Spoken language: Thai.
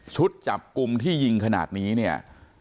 จับกลุ่มที่ยิงขนาดนี้เนี่ย